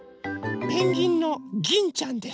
ペンギンのギンちゃんです。